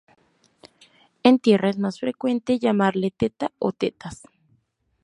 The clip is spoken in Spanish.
En tierra es más frecuente llamarle "teta" o "tetas".